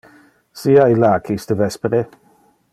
Sia illac iste vespere.